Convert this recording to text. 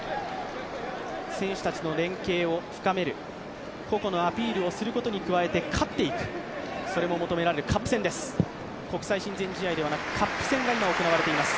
選手たちの連係を深める、個々のアピールをすることに加えて勝っていくということが求められています。